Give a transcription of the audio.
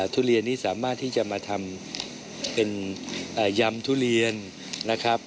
ทุเรียนนี้สามารถที่จะมาทำเป็นยำทุเรียนนะครับ